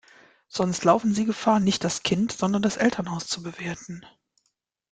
Sonst laufen sie Gefahr, nicht das Kind, sondern das Elternhaus zu bewerten.